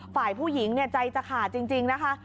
ฝ่ายผู้หญิงใจจะขาดจริงนะคะ